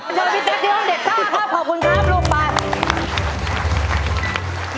เจ้าแม่เพลงล็อคเด็กข้าครับขอบคุณครับลงไป